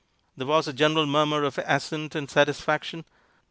There was a general murmur of assent and satisfaction.